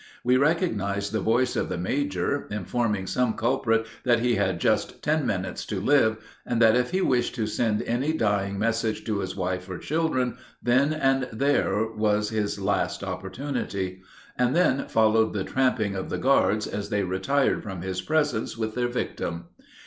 We recognized the voice of the major, informing some culprit that he had just ten minutes to live, and that if he wished to send any dying message to his wife or children then and there was his last opportunity; and then followed the tramping of the guards as they retired from his presence with their victim.